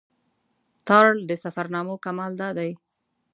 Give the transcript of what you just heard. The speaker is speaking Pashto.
تارړ د سفرنامو کمال دا دی.